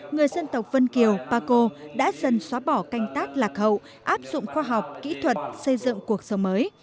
người dân tộc vân kiều pa co đã dần xóa bỏ canh tác lạc hậu áp dụng khoa học kỹ thuật xây dựng cuộc sống mới